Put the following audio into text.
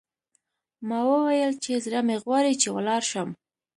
ما وویل چې، زړه مې غواړي چې ولاړ شم.